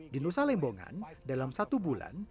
di nusa lembongan dalam satu bulan